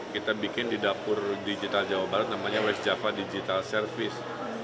kita bikin di dapur digital jawa barat namanya west java digital service